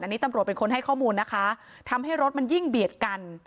อันนี้ตำรวจเป็นคนให้ข้อมูลนะคะทำให้รถมันยิ่งเบียดกัน